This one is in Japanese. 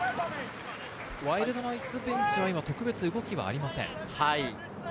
ワイルドナイツベンチに動きはありません。